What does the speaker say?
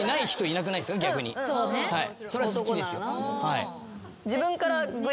それは好きですよ。